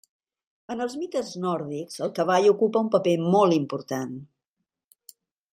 En els mites nòrdics el cavall ocupa un paper molt important.